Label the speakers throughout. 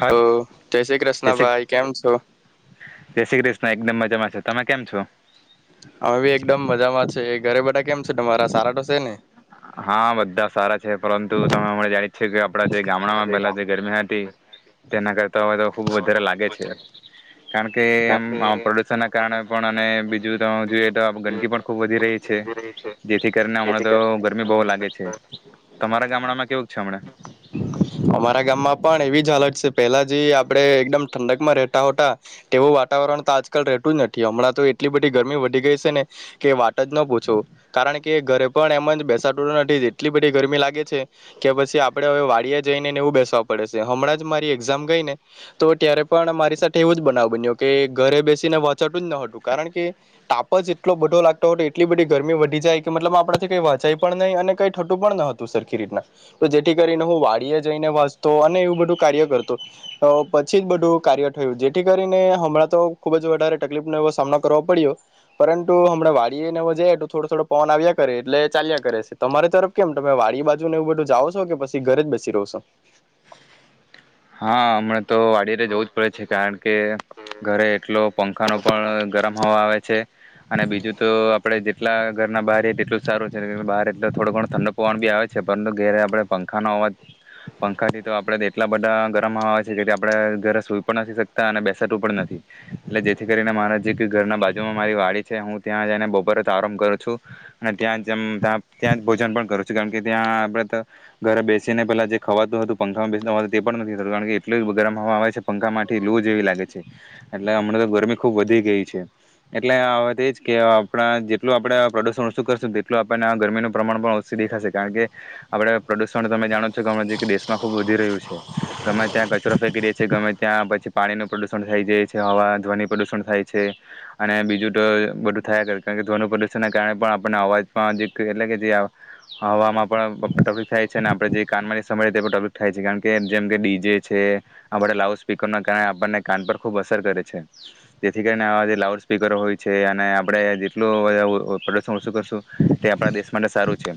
Speaker 1: હા,
Speaker 2: ઓ જય શ્રી
Speaker 1: જય શ્રી
Speaker 2: કૃષ્ણ કેમ છો.
Speaker 1: જય શ્રી કૃષ્ણ એકદમ મજામાં તમે કેમ છો.
Speaker 2: અમે બી એકદમ મજામાં છે, એ ઘરે બધા કેમ છે, તમારા સારા તો છે ને
Speaker 1: હા બધા સારા છે, પરંતુ તમે [unintelligible] છે કે આપણા જે ગામડામાં પહેલા જે ગરમી હતી, તેના કરતા હવે તો ખૂબ વધારે લાગે છે, કારણ કે અમ્મ પ્રદુષણના કારણે પણ અને બીજું તો જોઈએ તો ગંદકી પણ ખૂબ વધી રહી છે, જેથી કરીને હમણા તો ગરમી બો લાગે છે, તમારા ગામડામાં કેવું છે, હમણાં.
Speaker 2: અમારા ગામમાં પણ એવી જ હાલત છે, પેલા જે આપણે એકદમ ઠંડક માં રહેતા હતા તેવું વાતાવરણ તો આજકાલ રતું જ નથી, હમણાં તો એટલી બધી ગરમી વધી ગઈ છે, ને કે વાત જ ન પૂછો કારણ કે ઘરે પણ એમ જ બેસાતું નથી, એટલી બધી ગરમી લાગે છે, કે પછી અપ આપણે હવે વાળિયા જઈને ને એવું બેસવા પડે છે, હમણાં જ મારી એક્ઝામ ગઈને તો ત્યારે પણ મારી સાથે એવું જ બનાવ બન્યો કે ઘરે બેસીને વંચાતું જ ન હતું કારણ કે તાપ જ એટલો બધો લાગતો હતો, એટલી બધી ગરમી વધી જાય કે મતલબ આપણા કંઈ વાંચાય પણ નહીં અને કંઈ ઠંડુ પણ ન હતું સરખી રીતના તો જે જેથી કરીને હું વાડીએ જઈને વાંચતો અને એવું બધું કાર્ય કરતો આ પછી જ બધું કાર્ય થયું જેથી કરીને હમણાં તો ખુબ જ વધારે તકલીફ નો એવો સામનો કરવો પડ્યો પરંતુ હમણાં વાડીએ [unintelligible] થોડો થોડો પવન આવ્યા કરે એટલે ચાલ્યા કરે છે, તમારી તરફ કેમ તમે વાડી બાજુને એવું બધું જાઓ. કે પછી ઘરે જ બેસી રહો છો.
Speaker 1: હા હમણા. તો વાડી રે જવું જ પડે છે કારણ કે ઘરે એટલો પં પંખા નો પણ ગરમ હવા આવે છે. અને બીજું તો આપડે જેટલા ઘરના બહારએ તેટલું સારું છે, બહાર એ થોડો ઘણો ઠંડ પવનભી આવે છે, પરંતુ ઘેરે આપડે પંખા ન અવાજ પંખા થી તો આપડે એટલા બધા ગરમ આવે છે, જેથી આપણે ઘરે સુઈ પણ નથી શકતા અને બેસાતું પણ નથી, એટલે જેથી કરીને મારા જે ઘરના બાજુમાં મારી વાડી છે, હું ત્યાં જઈને બપોર જ આરામ કરું છું, ને ત્યાં જ અમ્મ ત્યાં ભોજન પણ કરું છું, કારણ કે ત્યાં આપણે તો ઘરે બેસીને પેલા જે ખવાતું હતું, પંખામાં બેસ તે પણ નથી કારણ કે એટલું ગરમ હવા આવે છે, પંખામાંથી લુ જેવી લાગે છે, એટલે હમણાં તો ગરમી ખુબ વધી ગઈ છે, એટલે આ વાત એજ કે આપણા જેટલું આપણે પ્રદુષણ ઓછું કરશું તેટલું આપણને ગરમીનું પ્રમાણ પણ ઓછું દેખાશે કારણ કે આપણે પ્રદુષણ તમે જાણો છો [unintelligible] દેશમાં ખૂબ વધી રહ્યું છે. ગમે ત્યાં કચરો ફેંકી દે છે, ગમે ત્યાં પછી પાણીનું પ્રદુષણ થઈ જાય છે, હવા, ધ્વનિ પ્રદુષણ થાય છે, અને બીજું તો બધું થયા જ કરે કારણ કે ધ્વનનું પ્રદુષણના કારણે પણ આપણને અવાજમાં જે એટલે કે જે હવામાં પણ [unintelligible] થાય છે, અને આપણે જે કાનમાંની સમય તે [unintelligible] થાય છે, કારણ કે જેમ કે ડી જે છે, આપણે લાઉડ સ્પીકરના કારણે આપણને કાન પર ખુબ અસર કરે છે, જેથી કરીને આ જે લાઉડ સ્પીકર હોય છે, અને આપણેે જેટલું ઓ પ્રદૂષણ ઓછું, કરશું તે આપણા દેશ માટે સારું છે,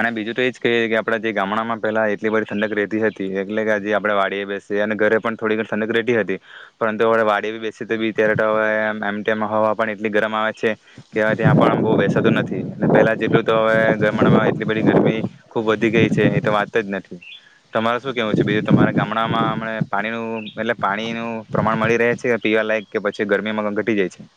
Speaker 1: અને બીજું તો એજ કે આપણા જે ગામડામાં પેલા એટલી બધી ઠંડક રહેતી હતી એટલે કે હજી આપણે વાડી બેસીએ અને ઘરે પણ થોડી ઘણી ઠંડક રહેતી હતી, પરંતુ હવે વાડી બેસી તો બી ત્યારે તો હવે એમ તેમ હવા પણ એટલી ગરમ આવે છે, કે ત્યાં પણ બો બેસાતું નથી, અને પેલા જેટલું તો હવે ગામડામાં એટલી બધી ગરમી ખુબ વધી ગઈ છે, એ તો વાત જ નથી તમારે શું કેવું બીજું તમારે ગામડામાંમ હમણે પાણીનું એટલે પાણીનું પ્રમાણ મળી રહે છે, પીવાલાયક કે પછી ગરમીમાં ઘટી જાય છે.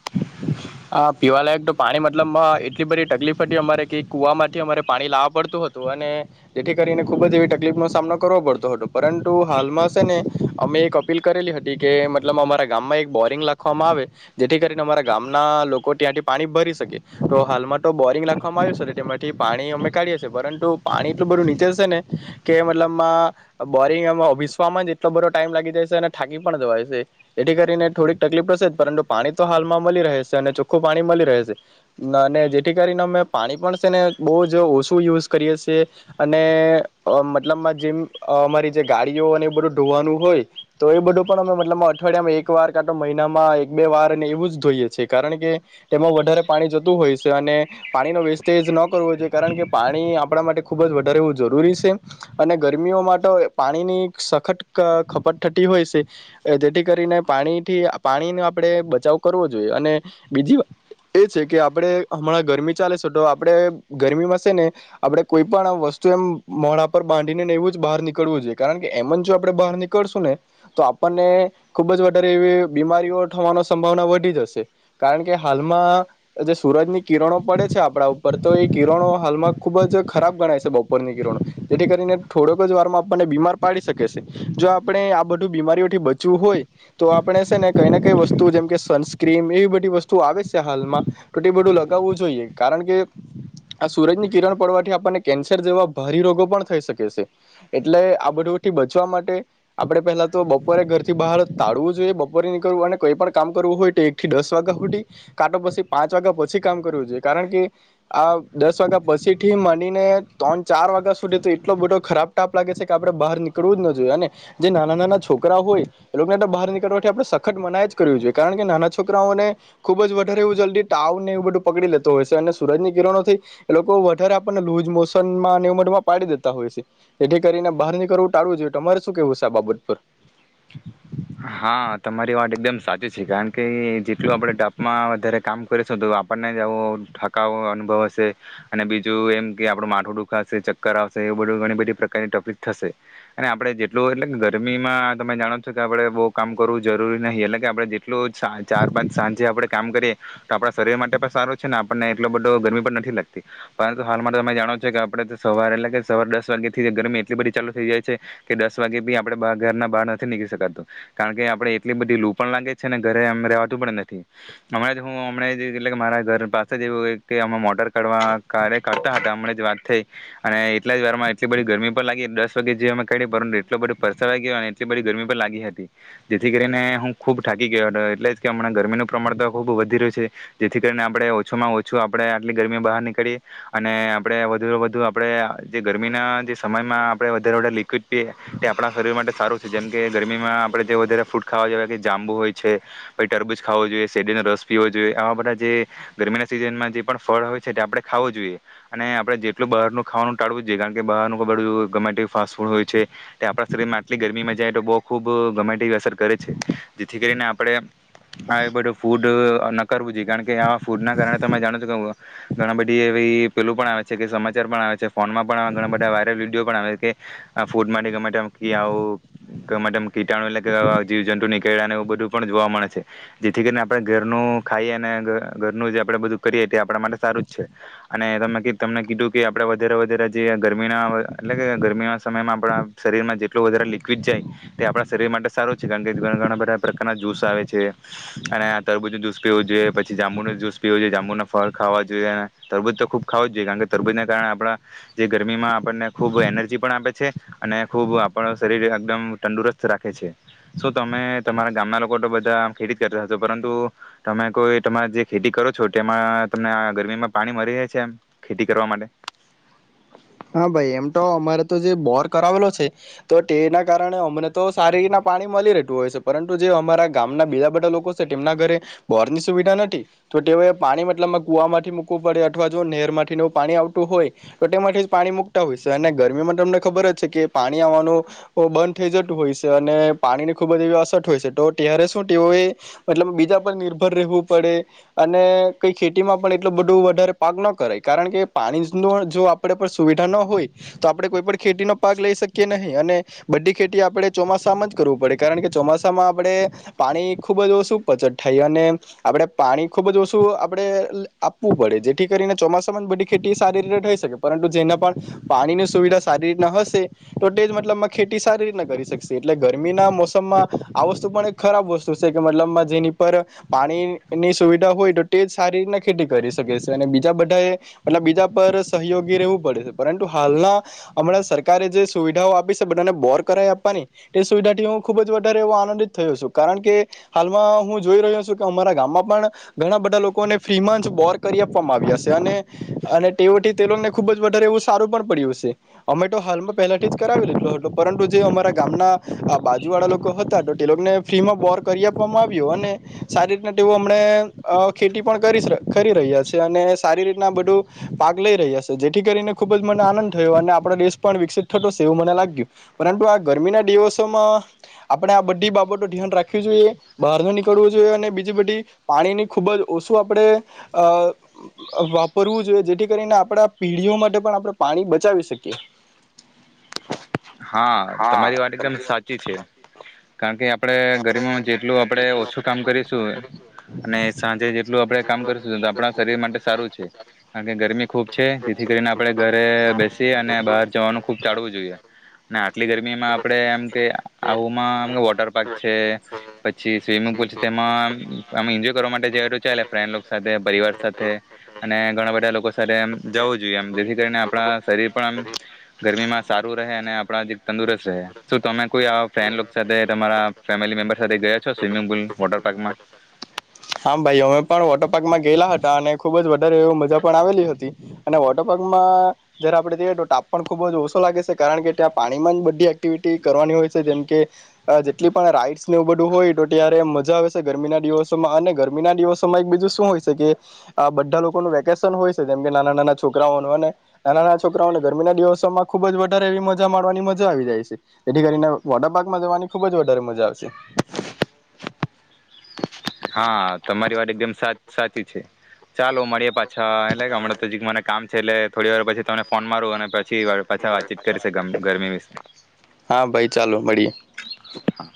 Speaker 2: હા પીવાલાયક તો પાણી મતલબ માં એટલી બધી તકલીફ હતી અમારે કે કૂવામાંથી અમારે પાણી લાવવા પડતું હતું, અને જેથી કરીને ખૂબ જ એવી તકલીફનો સામનો કરવો પડતો હતો, પરંતુ હાલમાં છે ને અમે એક અપીલ કરેલી હતી કે મતલબ અમારા ગામમાં એક બોરિંગ લખવામાં આવે જેથી કરીને અમારા ગામ ના લોકો ત્યાંથી પાણી ભરી શકે તો હાલમાં તો બોરિંગ રાખવામાં આવ્યું છે, તેમાંથી પાણી અમે કાઢીએ છીએ, પરંતુ પાણી એટલું બધું નીચે છે, ને. કે મતલબમાં બોરિંગ એમાં ભીસવામાં એટલો બધો ટાઈમ લાગી જાય છે, અને થાકી પણ જવાય છે, એથી કરીને થોડીક તકલીફ પડશે પરંતુ પાણી તો હાલમાં મળી રહે છે, ને ચોખ્ખું પાણી મળી રહે છે, આ ને જેથી કરીને અમે પાણી પણ છે, ને બો જ ઓછું યુઝ કરીએ છેએ, અને આ મતલબમાં જેમ અમારી જે ગાડીઓ અને એ બધું ધોવાનું હોય, તો એ બધું પણ અમે મતલબ અઠવાડિયામાં એક વાર કા તો મહિનામાં એક બે વાર ને એવું જ ધોઈએ છેએ. કારણ કે તેમાં વધારે પાણી જતું હોય છે, અને પાણીનો વેસ્ટેજ ન કરવો જોઈએ, કારણ કે પાણી આપણા માટે ખૂબ જ વધારે એવું જરૂરી છે, અને ગરમીઓમાં તો પાણીની સખત ક ખપત થતી હોય છે, જેથી કરીને પાણીથી પાણીનો આપણે બચાવ કરવો જોઈએ અને બીજી એ છે, કે આપણે હમણાં ગરમી ચાલે છે, તો આપણે ગરમીમાં છે, ને આપણે કોઈ પણ વસ્તુ એમ મોઢા પર બાંધીનેને એવું જ બહાર નીકળવું જોઈએ કારણ કે એમ જ જો આપડે બહાર નીકળશું ને તો આપણને ખુબ જ વધારે એવી બીમારીઓ થવાની સંભાવના વધી જશે. કારણ કે હાલમાં જે સુૂરજની કિરણો પડે છે, આપણા ઉપર તો એ કિરણો હાલમાં ખુબ જ ખરાબ ગણાય છે, બપોરની કિરણો જેથી કરીને થોડોક જ વારમાં આપણને બીમાર પાડી શકે છે, જો આપણે આ બધું બીમારીઓથી બચવું હોય તો આપણે છે, ને કઈ ને કઈ વસ્તુ જેમકે સનસ્ક્રીમ એવી બધી એટલી વસ્તુઓ આવે છે, હાલમાં તો તે બધું લાગવું જોઈએ, કારણ કે આ સૂરજની કિરણ પડવાથી આપણને કેન્સર જેવા ભારે રોગો પણ થઈ શકે છે, એટલે આ બધુંથી બચવા માટે આપણે પહેલા તો બપોરે ઘરથી બહાર તાળવું જોઈએ, બપોરે નીકળવું અને કોઈ પણ કામ કરવું હોય તો એક થી દસ દસ વાગ્યા સુધી કાં તો પછી પાંચ વાગ્યા પછી કામ કરવું જોઈએ, કારણ કે આ દસ વાગ્યા પછી થી માંડીને ત્રણ ચાર વાગ્યા સુધી તો એટલો બધો ખરાબ તાપ લાગે છે, કે આપણે બહાર નીકળવું જ ન જોઈએ અને જે નાના નાના છોકરા હોય એ લોકોને તો બહાર નીકળવાથી આપણે સખત મનાય જ કરવી જોઈએ, કારણ કે નાના છોક છોકરાઓને ખુબ જ વધારે એવું જલ્દી તાવ ને એવું બધું પકડી લેતો હોય છે, અને સુરજ ની કિરણોથી એ લોકો વધારે આપણને લુઝ મોશનમાં અને ઉમટમાં પાડી દેતા હોય છે, જેથી કરીને બહાર નીકળવું ટાળવું જોઈએ, તમારે શું કેવું છે, આ બાબત પર.
Speaker 1: હા તમારી વાત એકદમ સાચી છે, કારણ કે જેટલું આપણે તાપમાં વધારે કામ કરીશ તો આપણને જ આવો થાકનો અનુભવ હશે, અને બીજું એમ કે આપણું માથું દુખાશે ચક્કર આવશે, એવું બધું ઘણી બધી પ્રકારની તકલીફ થશે, અને આપણે જેટલું એટલે ગરમીમાં તમે જાણો છો કે આપણેે બો કામ કરવું જરૂરી નહીં, એટલે કે આપણે જેટલું ચાર પાંચ સાંજે આપણે કામ કરીએ તો આપણા શરીર માટે પણ સારું છે, ને આપણને એટલો બધો ગરમી પણ નથી લાગતી પરંતુ હાલ માટે તમે જાણો છો, કે આપણે સવારે એટલે કે સવારે દસ વાગે થી ગરમી એટલી બધી ચાલુ થઈ જાય છે, કે દસ વાગે બી આપણે બહાર ઘરના બહાર નથી નીકળી શકાતું કારણ કે આપણે એટલી બધી લૂ પણ લાગે છે, અને ઘરે એમ રહેવાતું પણ નથી, હમણાં જે હું હમણા એટલે મારા ઘર પાસે જેવું કે આ મોટર [unintelligible] કાર કરતા હતા, હમણાં જ વાત થઈ. અને એટલા જ વાર માં એટલી બધી ગરમી પણ લાગી દસ વાગે જે કા પરંતુ એટલો બધો પરસવાઈ ગયો. આટલી બધ ગરમી પર લાગી હતી જેથી કરીને હું ખૂબ થાકી ગયો હતો એટલે જ કે હમણા ગરમીનું પ્રમાણ તો ખૂબ વધી રહ્યું છે જેથી કરીને આપણે ઓછામાં ઓછું આપણે આટલી ગરમી બહાર નીકળીએ અને આપણે વધુ વધુ આપણે જે ગરમીના જે સમયમાં આપણે વધારે વધારે લિક્વિડ પીએ તે આપણા શરીર માટે સારું છે જેમ કે ગરમીમાં આપણે જે વધારે ફૂડ ખાવા જેએ કે જાંબુ હોય છે પછી ટરબૂજ ખાવો જોઈએ શેરડીનો રસ પી હોવો જોઈએ આવા બધા જે ગરમીના સિઝનમાં જે પણ ફળ હોય છે તે આપણે ખાવું જોઈએ અને આપણે જેટલું બહારનું ખાવાનું ટાળવું જ જોઈએ કારણ કે બહારનું બધું ગમેટ ફાસ્ટ ફૂડ હોય છે તે આપણા શરીર માટે એટલી ગરમીમાં જાય તો બહુ ખૂબ ગમે તે એવી અસર કરે છે જેથી કરીને આપણે આ બધું ફૂડ ન કરવું જોઈએ કારણ કે આવા ફૂડ ના કારણે તમે જાણો છો કે ઘણા બધી એવી પેલું પણ આવે છે કે સમાચાર પણ આવે છે ફોનમાં પણ ઘણા બધા વાયરલ વિડીયો પણ આવે છે કે આ ફૂડ માટે ગમે કે આવું ગમે ટેમ કીટાણુ એટલે કે આવા જીવ જંતુ નીકયળાને એવું બધું પણ જોવા મળે છે, જેથી કરીને આપણે ઘરનું ખાઈએ અને ઘ ઘરનું જે આપણેે બધું કરીએ તે આપણા માટે સારું જ છે અને ત તમને કીધું કે આપણે વધારે વધારે જે ગરમીના એટલે કે ગરમીના સમયમાં આપણા શરીરમાં જે ટલુ વધારે લિક્વિડ જાય, તે આપણા શરીર માટે સારું જ છે, કારણ કે ઘણા ઘણા બધા પ્રકારના જ્યુસ આવે છે અને આ તરબૂજ જુસ પીવો જોઈએ પછી જાંબુનો જૂસ પીવો જોઈએ, જાંબુના ફળ ખાવા જોએ અને તરબૂજ તો ખૂબ ખાવું જ જોઈએ, કાણ કે તરબૂજને કારણે આપણા જે ગરમીમાં આપણને ખૂબ એનર્જી પણ આપે છે અને ખૂબ આ પણ શરીરે એકદમ તંદુરસ્ત રાખે છે, શું તમે તમારા ગામના લોકો ટો બઢા ખેતી જ કરતા છો, પરંતુ તમે કોઈ તમા જે ખેતી કરો છો ટેમાં તમને આ ગરમીમાં પાણી મરી રેય છે એમ ખેતી કરવા માટે?
Speaker 2: હા ભાઈ એમ ટો અમારે તો જે બોર કરાવેલો છે ટો તેના કારણે અમને તો સારી રીતના પાણી મલી રેતું હોય છે, પરંતુ જે અમારા ગામના બીજા બધા લોકો સે તેમના ઘરે બોરની સુવિધા નઠી, ટો તેઓએ પાણી મતલબમાં કુવામાંથી મુૂકવું પડે અઠવા જો નેરમાંથી ને એવું પાણી આવતું હોય ટો તેમાંઠી પાણી મૂકટા હોય છે અને ગરમીમાં ટમને ખબર જ છે કે પાણી આવવાનું બંધ ઠઈ જતું હોય છે અને પાણીની ખુબ જ એવી અસત હોય છે, ટો ત્યારે શું ટેઓએ મતલબ બીજા પર નિર્ભર રહેવું પડે અને કઈ ખેતીમાં પણ એટલું બઢુ વધારે પાક ન કરાય કારણ કે પાણી જ ન જો આપણે પછ સુવિઢા ન હોય, તો આપણે કોઈ પણ ખેતીનો પાક લઈ શકીએ નહીં અને બધી ખેતી આપણે ચોમાસામાં જ કરવું પડે કારણ કે ચોમાસામાં આપણે પાણી ખૂબ જ ઓછું પચટ થાય અને આપણે પાણી ખૂબ જ ઓછું આપડે આપવું પડે, જેઠી કરીને ચોમાસામાં જ બઢી ખેટી સારી રીતે થઈ શકે, પરંટુ જેના પણ પાણીની સુવિધા સારી રીતના હશે, ટો ટે જ મતલબમાં ખેટી સારી રીતના કરી શકશે એટલે ગરમીના મોસમમાં આ વસ્તુ પણ એક ખરાબ વસ્તુ સે કે મતલબમાં જેની પર પાણીની સુવિઢા હોય, ટો ટે જ સારી રીટના ખેટી કરી શકે છે અને બીજા બઢા એ મતલબ બીજા પર સહયોગી રહેવું પડે છે, પરંટુ હાલના અમણાં સરકારે જે સુવિઢાઓ આપી સે બઢાને બોર કરાઈ આપવાની ટે સુવિઢાથી હું ખુબ જ વધારે એવો આનંદિત થયો છું, કારણ કે હાલમાં હું જોઈ રહ્યો છું કે અમારા ગામમાં પણ ઘણા બઢા લોકોને ફ્રીમાં જ બોર કરી આપવામાં આવ્યા સે અને અને ટેઓથી તે લોકને ખૂબ જ વઢારે એવું સારું પણ પડ્યું સે, અમે ટો હાલમાં પહેલા થી જ કરાવી લીધલો હતો, પરંટુ જે અમારા ગામના બાજુ વાળા લોકો હતા તો તે લોકને ફ્રીમાં બોર કરી આપવામાં આવ્યો અને સારી રીતના ટેઓ અમણે અ ખેટી પણ કરી સ કરી રહ્યા છે અને સારી રીતના બઢુ પાાગ લઈ રહ્યા સે જે ઠી કરીને ખૂબ જ મને આનંદ થયો અને આપણો દેશ પણ વિકસિત થતો સે એવું મને લાગ્યું, પરંતુ આ ગરમીના દિવસોમાં આપણે આ બઢી બાબટો ધ્યાન રાખવી જોઈએ, બહાર ન નીકળવું જોઈએ અને બીજી બઢી પાણીની ખૂબ જ ઓસુ આપણે અ વાપરવું જોઈએ, જેઠી કરીને આપણા પીઢીઓ માટે પણ આપણે પાણી બચાવી શકીએ.
Speaker 1: હા તમારી વાત એકદમ સાચી છે, કાણ કે આ પડે ગરમીમાં જેટલું આપણે ઓછું કામ કરીશું અને સાંજે જેટલું આપણે કામ કરીશું તો આપણા શરીર માટે સારું છે કારણ કે ગરમી ખૂબ છે જેથી કરીને આપણે ઘરે બેસીએ અને બહાર જવાનું ખૂબ ટાળવું જોઈએ. અને આટલી ગરમીમાં આપડે એમ કે આવુંમાં અમે વોટર પાર્ક છે, પછી સ્વિમિંગ પુલ છે તેમાં અમે એન્જોય કરવા માટે જું ચાલે ફ્રેન્ડ સાથે પરિવાર સાથે, અને ઘણા બધા લોકો સાથે જવું જોઈએ એમ જેથી કરીને આપણા શરીર પણ આમ ગરમી માં સાત અને આપજી તંદુરસ્ત રહે, શું તમે કોઈ ફ્રેન્ડ સાથે તમારા ફેમિલી મેમ્બર સાથે ગયા છો સ્વિમિંગ પુલ વોટર પાર્કમાં?
Speaker 2: હા ભાઈ અમે પણ વોટર પાર્કમાં ગયેલા હતા અને ખુબ જ વધારે એવ પણ આવેલી હતી, અને વોટર પાર્કમાં જયારે આપડણે જઈએ તો તાપ પણ ખૂબ જ ઓછો લાગે છે કારણ કે ત્યાં પાણીમાં જ બધી એક્ટિવિટી કરવાની હોય છે જેમ કે, જેટલી પણ રાઈડ્સને એવું બધું હોય તો ત્યારે મજા આવે છે ગરમીના દિવસોમાં અને ગરમી ના દિવસોમાં એક બીજું શું હોય છે કે, આ બધા લોકોનું વેકેશન હોય છે જેમ કે નાના નાના છોકરાઓ અને નાના નાના છોકરાઓને ગરમીના દિવસોમાં ખુબ જ વધારે એવી મજા માવાની મજા આવી જાય છે એથી કરીને વોટરપાર્કમાં જવાની ખુબ જ વધારે મજા આવશે.
Speaker 1: હા તમારી વાત એકદમ સા સાચી છે. ચાલો મળીએ પાછા એટલે હમણાં તો મને કામ છે એટલે થોડી વાર પછી ત ફોન મારૂ અને પછી પાછા વાતચીત કરી છે ગરમી વિશે,
Speaker 2: હા ભાઈ ચાલો મળીએ
Speaker 1: હા.